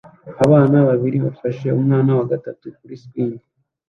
Abana babiri bafasha umwana wa gatatu kuri swing